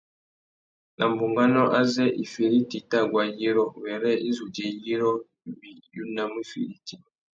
Nà bunganô azê « ifiriti i tà guá yirô » wêrê i zu djï yirô wí unamú ifiriti.